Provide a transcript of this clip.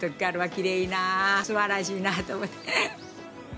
きれいなすばらしいなと思って。